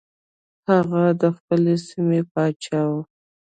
هغه د خپلې سیمې پاچا و.